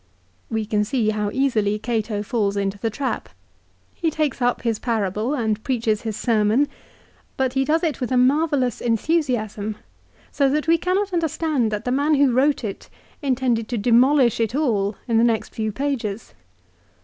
We can see how easily Cato falls into the trap. He takes up his parable, and preaches his sermon 5 but he does it with a marvellous enthusiasm, so that we cannot understand that the man who wrote it intended to demolish it all in the next few pages.